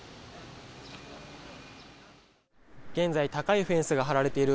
現在、高いフェンスが張られている